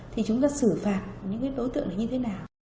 thì chúng ta xử phạt những đối tượng này như thế nào